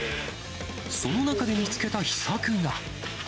その中で見つけた秘策が。